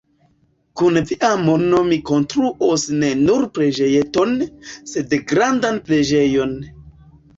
Kun via mono mi konstruos ne nur preĝejeton, sed grandan preĝejon.